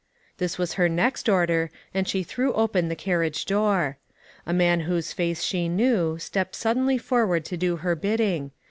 This was her next order, and she threw open the carriage door. A man whose face she knew, stepped suddenly forward to do her bidding.